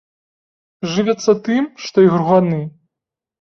Жывяцца тым, што і груганы.